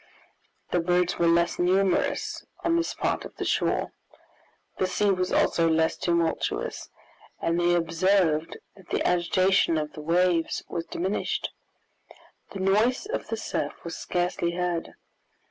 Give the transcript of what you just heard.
The birds were less numerous on this part of the shore; the sea was also less tumultuous, and they observed that the agitation of the waves was diminished. The noise of the surf was scarcely heard.